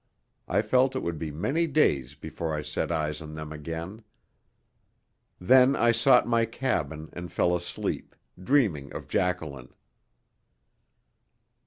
I felt it would be many days before I set eyes on them again. Then I sought my cabin and fell asleep, dreaming of Jacqueline.